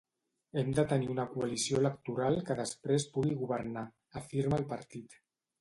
Hem de tenir una coalició electoral que després pugui governar, afirma el partit.